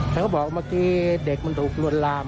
เขาบอกเมื่อกี้เด็กมันถูกลวนลาม